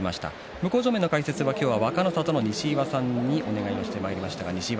向正面の解説は今日は若の里の西岩さんにお願いしてまいりました。